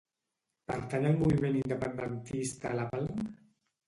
Pertany al moviment independentista la Palm?